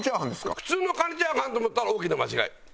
普通のカニチャーハンと思ったら大きな間違い。